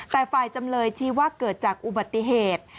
แต่ฝ่ายจำเลยชี้ว่าเกิดจากอุบัติเหตุ